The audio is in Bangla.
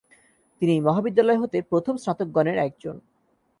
তিনি এই মহাবিদ্যালয় হতে প্রথম স্নাতকগণের একজন।